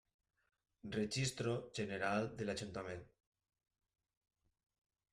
Registro General de l'Ajuntament.